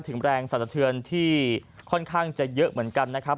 แรงสรรสะเทือนที่ค่อนข้างจะเยอะเหมือนกันนะครับ